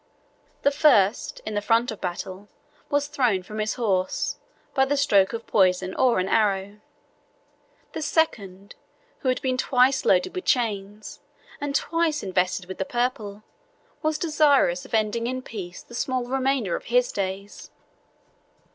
The first, in the front of battle, was thrown from his horse, by the stroke of poison, or an arrow; the second, who had been twice loaded with chains, 1017 and twice invested with the purple, was desirous of ending in peace the small remainder of his days.